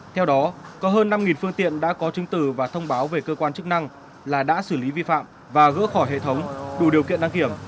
theo đó có hơn năm phương tiện đã có chứng từ và thông báo về cơ quan chức năng là đã xử lý vi phạm và gỡ khỏi hệ thống đủ điều kiện đăng kiểm